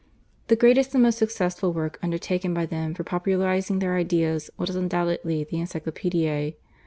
The greatest and most successful work undertaken by them for popularising their ideas was undoubtedly the /Encyclopedie